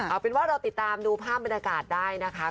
เอาเป็นว่าเราติดตามดูภาพบรรยากาศได้นะคะ